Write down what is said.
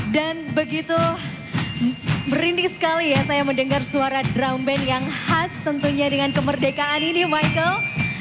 dan begitu merinding sekali ya saya mendengar suara drum band yang khas tentunya dengan kemerdekaan ini michael